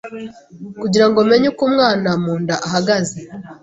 kugirango menye uko umwana mu nda ahagaze